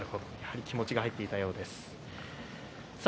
気持ちが入っていたようです。